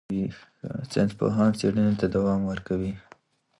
ساینسپوهان څېړنې ته دوام ورکوي.